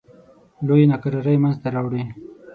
لویې ناکرارۍ منځته راوړې.